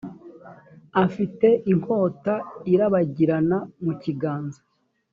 afite inkota irabagirana mu kiganza.